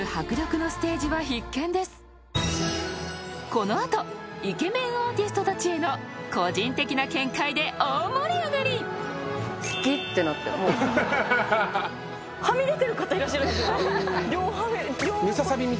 ［この後イケメンアーティストたちへの個人的な見解で大盛り上がり］はみ出てる方いらっしゃるんですよ。